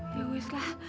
ya wess lah